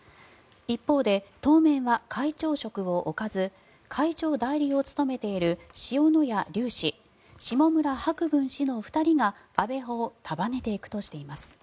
一方で当面は会長職を置かず会長代理を務めている塩谷立氏下村博文氏の２人が安倍派を束ねていくとしています。